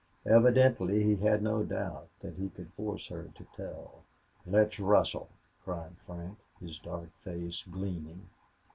Evidently he had no doubt that he could force her to tell. "Let's rustle," cried Frank, his dark face gleaming.